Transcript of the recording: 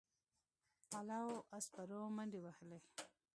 پلو او سپرو منډې وهلې.